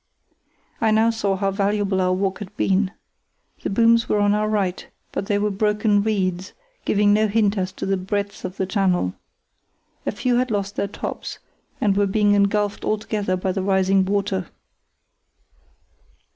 I now saw how valuable our walk had been. The booms were on our right; but they were broken reeds, giving no hint as to the breadth of the channel. A few had lost their tops, and were being engulfed altogether by the rising water.